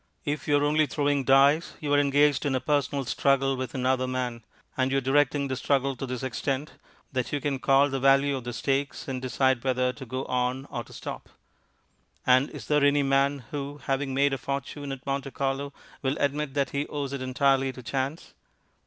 If you are only throwing dice, you are engaged in a personal struggle with another man, and you are directing the struggle to this extent, that you can call the value of the stakes, and decide whether to go on or to stop. And is there any man who, having made a fortune at Monte Carlo, will admit that he owes it entirely to chance?